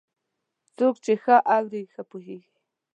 څوک چې ښه اوري، ښه پوهېږي.